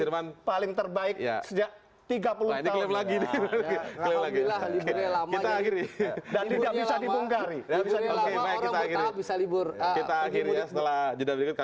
mudik berjalan dengan lancar